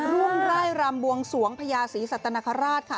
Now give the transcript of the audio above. ร่ายรำบวงสวงพญาศรีสัตนคราชค่ะ